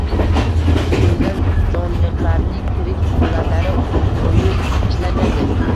So’yilgan jonliqlarnng tirik suratlari o’yib ishlangandi.